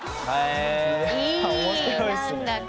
いい何だか。